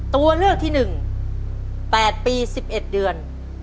ตัวเลือกที่๑๘ปี๑๑เดือน